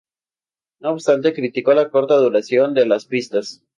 No obstante, criticó la corta duración de las pistas.